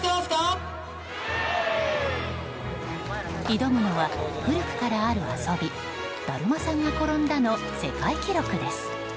挑むのは、古くからある遊びだるまさんが転んだの世界記録です。